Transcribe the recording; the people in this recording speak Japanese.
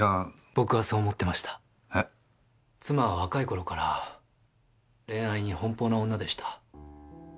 妻は若い頃から恋愛に奔放な女でした。